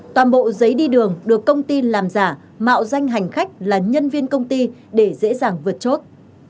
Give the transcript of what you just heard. toàn bộ giấy đi đường được công ty làm giả mạo danh hành khách là nhân viên công ty để dễ dàng vượt chốt